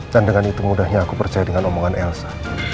dan dengan itu mudahnya aku percaya dengan omongan elsa